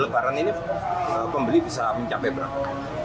lebaran ini pembeli bisa mencapai berapa